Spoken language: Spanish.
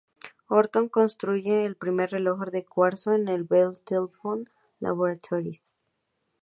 Horton construyen el primer reloj de cuarzo en los Bell Telephone Laboratories.